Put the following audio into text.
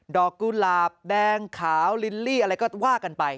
กุหลาบแดงขาวลิลลี่อะไรก็ว่ากันไป